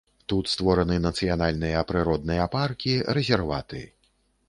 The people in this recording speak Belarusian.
Тут створаны нацыянальныя прыродныя паркі, рэзерваты.